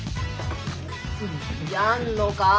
やんのか？